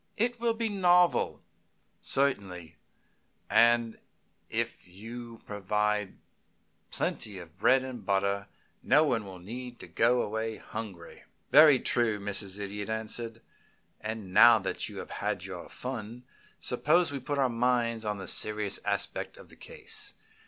It will be novel, certainly, and if you provide plenty of bread and butter no one need go away hungry." "Very true," Mrs. Idiot answered. "And now that you have had your fun, suppose we put our minds on the serious aspect of the case.